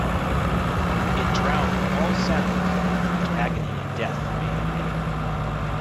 It drowned all sound that brute agony and death may have made.